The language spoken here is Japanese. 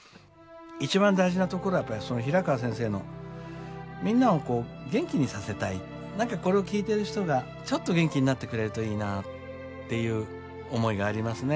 一番大事なところはやっぱり平川先生のみんなを元気にさせたい何かこれを聞いてる人がちょっと元気になってくれるといいなっていう思いがありますね。